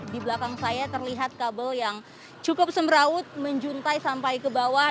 di belakang saya terlihat kabel yang cukup semraut menjuntai sampai ke bawah